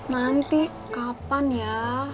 nanti kapan ya